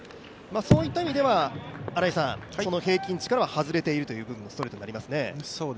そういった意味では、平均値からは外れているというストレートになりますね。